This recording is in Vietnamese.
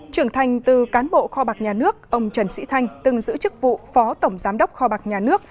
trưởng thành từ cán bộ kho bạc nhà nước ông trần sĩ thanh từng giữ chức vụ phó tổng giám đốc kho bạc nhà nước